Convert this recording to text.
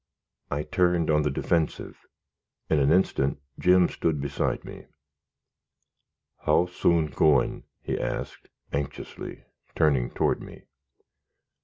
I turned on the defensive. In an instant Jim stood beside me. "How soon goin'?" he asked, anxiously, turning toward me.